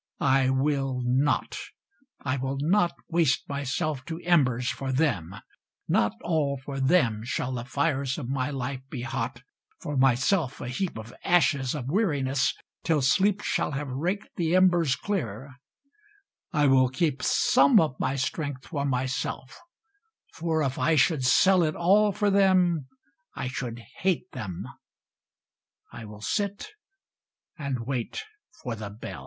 I will not! I will not waste myself to embers for them, Not all for them shall the fires of my life be hot, For myself a heap of ashes of weariness, till sleep Shall have raked the embers clear: I will keep Some of my strength for myself, for if I should sell It all for them, I should hate them I will sit and wait for the bell.